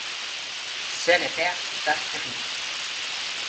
C'est le père d'Astérix.